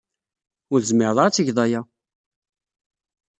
Ur tezmired ara ad tged aya!